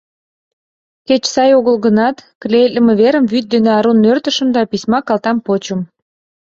Кеч сай огыл гынат, клеитлыме верым вӱд дене арун нӧртышым да письма калтам почым.